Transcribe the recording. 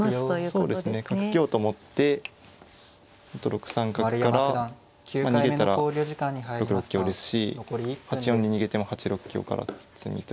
そうですね角香と持って６三角から逃げたら６六香ですし８四に逃げても８六香から詰みという。